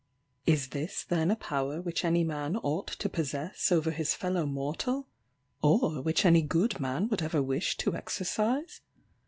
Is this then a power which any man ought to possess over his fellow mortal? or which any good man would ever wish to exercise?